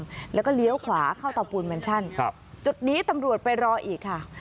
แล้วก็เลี้ยวขวาเข้าเตาปูนแมนชั่นครับจุดนี้ตำรวจไปรออีกค่ะ